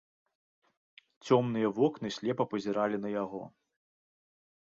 Цёмныя вокны слепа пазіралі на яго.